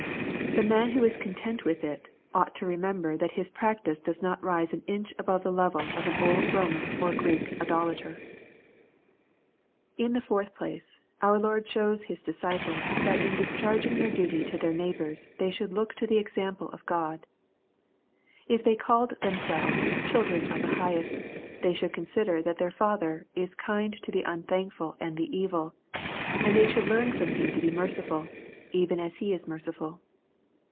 The man who is content with it, ought to remember that his practice does not rise an inch above the level of au old Roman or Greek idolater. LUKE, CHAP. VI. 185 In the fourth place, our Lord shows His disciples that in discharging their duty to their neighbor s^ they should look to the example of God, If they called themselves " children of the Highest/' they should consider that their Father is " kind to the unthankful and the evil/' and they should learn from Him to be merciful, even as He is merciful.